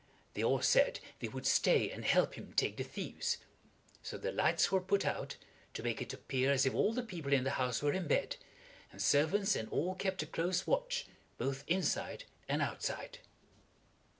They all said they would stay and help him take the thieves. So the lights were put out, to make it appear as if all the people in the house were in bed, and servants and all kept a close watch both inside and outside.